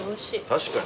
確かに。